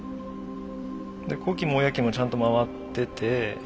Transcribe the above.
子機も親機もちゃんと回ってて。